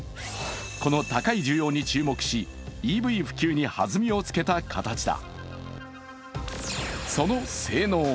この高い需要に注目し、ＥＶ普及にはずみをつけた形だ。